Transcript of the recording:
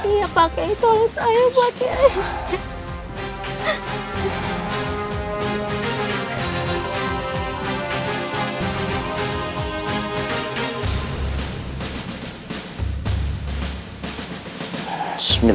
iya pak yai tolong saya pak yai